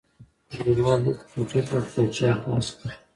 ډګروال بېرته کوټې ته لاړ او کتابچه یې خلاصه کړه